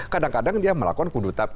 kadang kadang dia melakukan kudeta militer